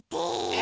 え